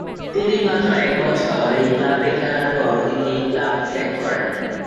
তিনি মাত্র এক বছর এই ক্লাবে খেলার পর তিনি এই ক্লাবটি ত্যাগ করেন।